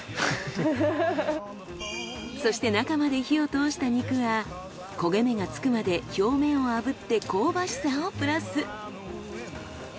そして中まで火を通した肉は焦げ目がつくまで表面を炙って香ばしさをプラス。